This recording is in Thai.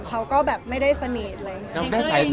เขาก็แบบไม่ได้สนิท